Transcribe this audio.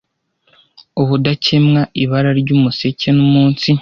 ubudakemwa ibara ry'umuseke n'umunsi